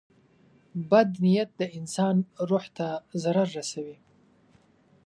• بد نیت د انسان روح ته ضرر رسوي.